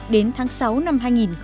đến tháng sáu năm hai nghìn một mươi sáu